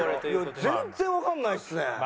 全然わかんないですね。